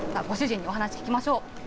ご主人にお話聞きましょう。